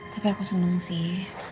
tapi aku seneng sih